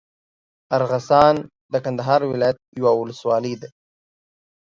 ارغسان د کندهار ولايت یوه اولسوالي ده.